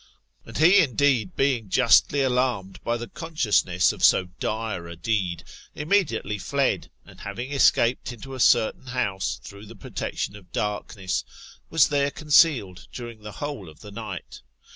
And he, indeed, being justly alarmed by the consciousness of so dire a deed, immediately fled, and having escaped into a certain house, through the protection of darkness, was there coiicealed during the whole of the night.